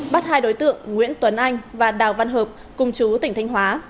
bắt hai đối tượng nguyễn tuấn anh và đào văn hợp cùng chú tỉnh thành hòa